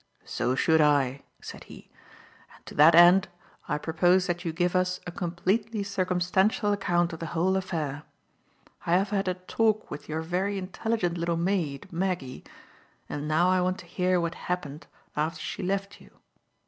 "So should I," said he, "and to that end, I propose that you give us a completely circumstantial account of the whole affair. I have had a talk with your very intelligent little maid, Maggie, and now I want to hear what happened after she left you."